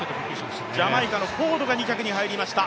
ジャマイカのフォードが２着に入りました。